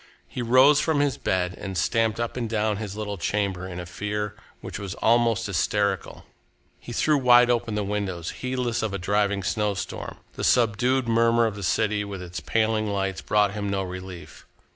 He rose from his bed and stamped up and down his little chamber in a fear which was almost hysterical. He threw wide open the windows, heedless of a driving snowstorm. The subdued murmur of the city, with its paling lights, brought him no relief.